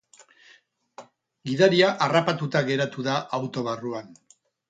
Gidaria harrapatuta geratu da auto barruan.